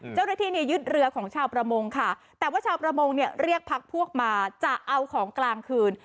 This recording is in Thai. เจ้าหน้าที่เนี่ยยึดเรือของชาวประมงค่ะแต่ว่าชาวประมงเนี่ยเรียกพักพวกมาจะเอาของกลางคืน